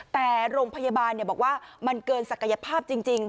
แต่โรงพยาบาลบอกว่ามันเกินศักยภาพจริง